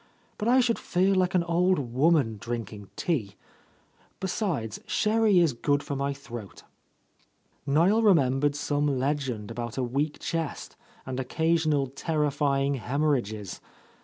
But I should feel like an old woman, drinking tea! Besides, sherry is good for my throat." NIel rememberecj some legend about a weak chest and occasional terrifying hem orrhages.